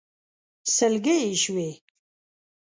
سلګۍ يې شوې.